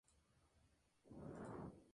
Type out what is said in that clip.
Esto sugiere que este hombre era un Goa'uld.